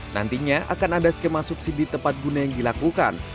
nantinya akan ada skema subsidi tepat guna yang dilakukan